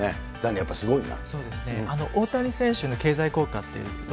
ザニー、やっぱりすごいな。